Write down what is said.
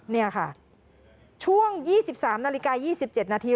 นี่ค่ะช่วง๒๓นาฬิกา๒๗นาที